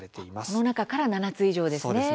この中から７つ以上ですね。